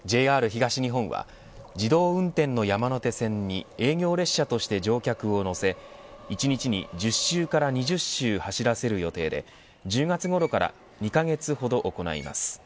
ＪＲ東日本は自動運転の山手線に営業列車として乗客を乗せ１日に１０周から２０周走らせる予定で１０月ごろから２カ月ほど行います。